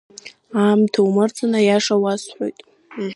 Аамҭа умырӡын, аиаша уасҳәоит.